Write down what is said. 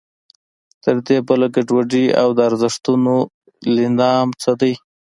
تر دې بله ګډوډي او د ارزښتونو نېلام څه وي.